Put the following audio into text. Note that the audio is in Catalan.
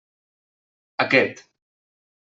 Aquest.